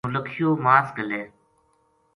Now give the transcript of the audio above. نولکھیو ماس گھلے